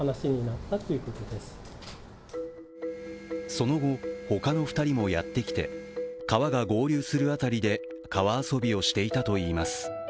その後、他の２人もやってきて、川が合流する辺りで川遊びをしていたといいます。